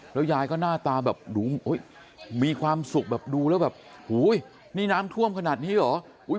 แล้วยายก็หน้าตาแบบดูมีความสุขแบบดูแล้วแบบนี่น้ำท่วมขนาดนี้เหรอ